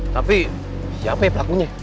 tapi siapa ya pelakunya